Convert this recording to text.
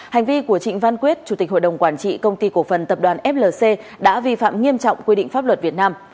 hành vi của trịnh văn quyết chủ tịch hội đồng quản trị công ty cổ phần tập đoàn flc đã vi phạm nghiêm trọng quy định pháp luật việt nam